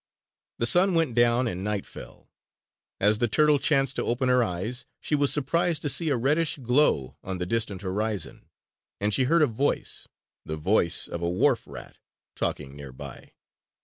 The sun went down and night fell. As the turtle chanced to open her eyes, she was surprised to see a reddish glow on the distant horizon; and she heard a voice the voice of a wharf rat talking near by.